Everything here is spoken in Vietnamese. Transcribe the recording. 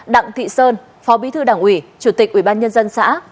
đặng thị sơn phó bí thư đảng ủy chủ tịch ubnd xã